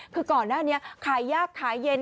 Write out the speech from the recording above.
คือก่อนหน้านี้ขายยากขายเย็น